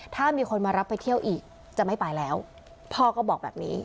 ถ้ามีคนมารับไปเที่ยวอีกจะไม่ไปแล้วพ่อก็บอกแบบนี้